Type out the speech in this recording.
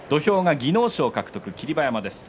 技能賞を獲得した霧馬山です。